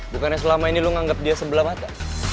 bukannya selama ini lo nganggep dia sebelah mata